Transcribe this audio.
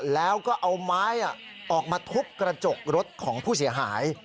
แล้วก็เอาไม้ออกมาทุบกระจกรถของผู้เสียหาย